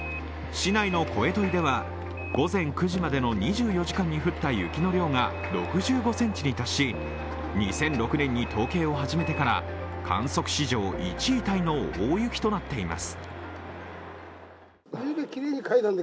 市内の声問では午前９時までの２４時間に降った雪の量が６５ｃｍに達し、２００６年に統計を始めてから観測史上１位タイの大雪となっています。